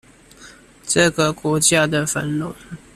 這個國家的繁榮